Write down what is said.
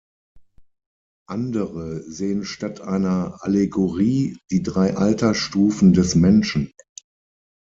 Andere sehen statt einer Allegorie die drei Altersstufen des Menschen.